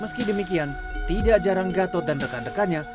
meski demikian tidak jarang gatot dan rekan rekannya